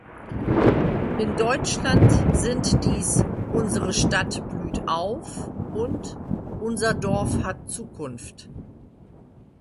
In Deutschland sind dies Unsere Stadt blüht auf und Unser Dorf hat Zukunft.